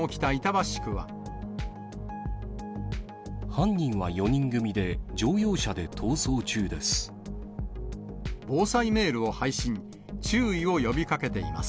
犯人は４人組で乗用車で逃走中です。